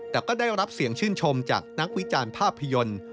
แต่ก็ได้รับเสียงชื่นชมจากนักวิจารณ์ภาพยนตร์